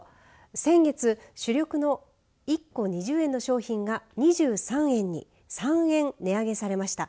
先月、主力の１個２０円の商品が２３円に３円、値上げされました。